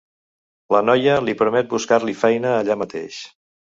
La noia li promet buscar-li feina allà mateix.